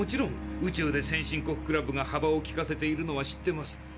宇宙で先進国クラブがはばをきかせているのは知ってます。